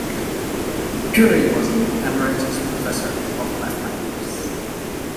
Puri was an Emeritus Professor of Mathematics.